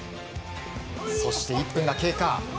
そして、１分が経過。